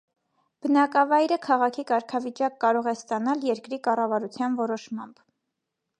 Բնակավայրը քաղաքի կարգավիճակ կարող է ստանալ երկրի կառավարության որոշմամբ։